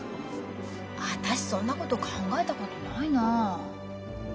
私そんなこと考えたことないなあ。